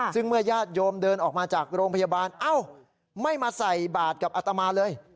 ซึ่งเมื่อญาติโยมเดินออกมาจากโรงพยาบาลเอ้าไม่มาใส่บาทกับอัตมาเลย